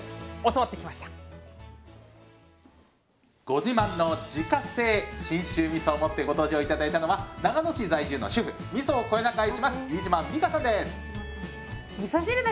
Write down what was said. ご自慢の自家製信州みそを持ってご登場頂いたのは長野市在住の主婦みそをこよなく愛します飯島美香さんです！